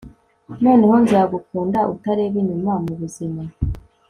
Noneho nzagukunda utareba inyuma mubuzima